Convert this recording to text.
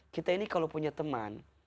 kita ini kalau punya teman